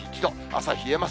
朝冷えます。